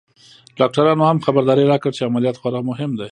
ډاکترانو هم خبرداری راکړ چې عمليات خورا مهم دی.